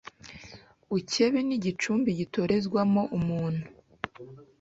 ukebe n’igicumbi gitorezwemo umuntu